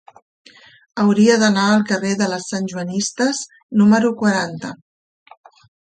Hauria d'anar al carrer de les Santjoanistes número quaranta.